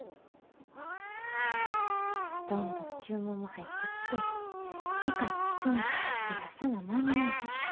どんどん注文も入ってきて機械も人も増やさな間に合えへん。